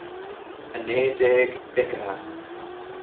A naoi déag d'fhichithe